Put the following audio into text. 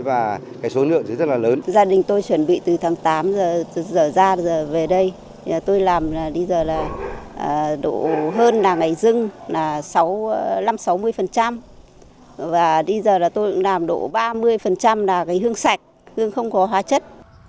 và bây giờ tôi làm độ ba mươi là hương sạch hương không có hóa chất